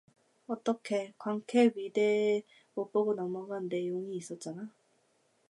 어떡해 관캐 위대에 못 보고 넘어간 내용이 있었잖아.